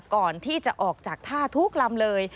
ก่อนที่จะออกจากท่าทุกลำเลย